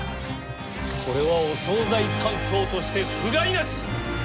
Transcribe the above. これはお総菜担当として不甲斐なし！